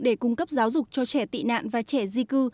để cung cấp giáo dục cho trẻ tị nạn và trẻ di cư